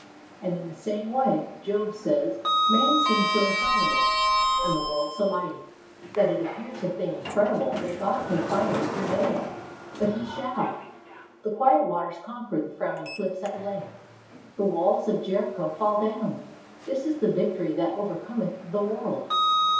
And in the same way, Job says, man seems so impregnable, and the world so mighty, that it appears a thing incredible that God can finally prevail. But He shall. The quiet waters conquer the frowning cliffs at length. The walls of Jericho fall down. This is the victory that overcometh the world.